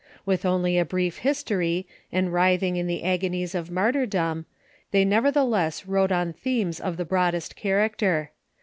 With only a brief history, and writhing in the agonies of martyrdom, they nevertheless wrote on themes of the broadest character.